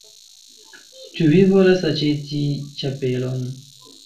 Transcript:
Ĉu vi volas aĉeti ĉapelon?